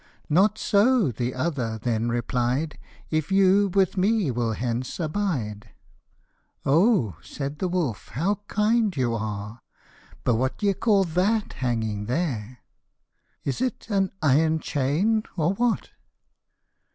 " Not so," the other then replied, " If you with me will here abide." " Oh !" said the wolf, how kind you are ! But what d'ye call that hanging there ? Is it an iron chain, or what